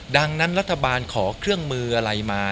ดังนั้นรัฐบาลขอเครื่องมืออะไรมา